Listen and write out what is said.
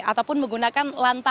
ataupun menggunakan lantatan